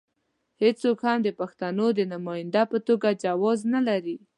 هېڅوک هم د پښتنو د نماینده په توګه جواز نه لري.